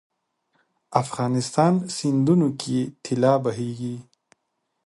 افغانستان سیندونو کې طلا بهیږي